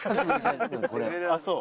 あっそう？